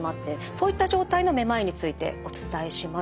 そういった状態のめまいについてお伝えします。